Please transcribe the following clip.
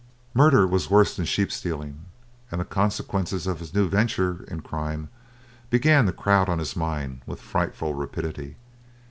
Murder was worse than sheep stealing, and the consequences of his new venture in crime began to crowd on his mind with frightful rapidity.